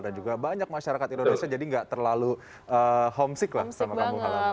dan juga banyak masyarakat indonesia jadi nggak terlalu homesick lah sama kamu halam